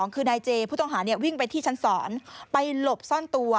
คือนายเจผู้ต้องหาวิ่งไปที่ชั้น๒ไปหลบซ่อนตัว